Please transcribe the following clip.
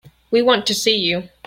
We want to see you.